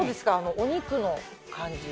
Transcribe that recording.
お肉の感じは。